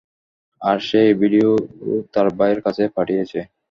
আর সে এই ভিডিও তার ভাইয়ের কাছে পাঠিয়েছে।